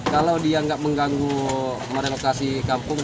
kalau dia nggak mengganggu merelokasi kampung